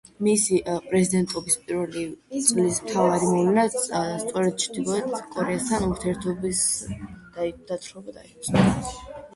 მისი პრეზიდენტობის პირველი წლის მთავარი მოვლენაც სწორედ ჩრდილოეთ კორეასთან ურთიერთობის დათბობა იყო.